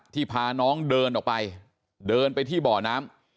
พาน้องเดินออกไปเดินไปที่บ่อน้ำ